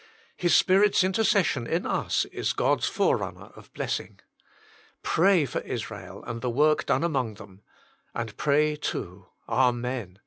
His Spirit s inter cession in us is God s forerunner of blessing. Pray for Israel and the work done among them. And pray too : Amen.